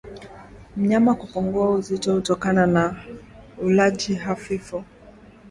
Mnyama kupungua uzito kutokana na ulaji hafifu